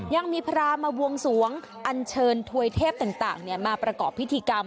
ยังมีพระมาบวงสวงอันเชิญถวยเทพต่างมาประกอบพิธีกรรม